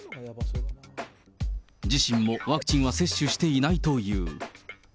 自身もワクチンは接種していないという。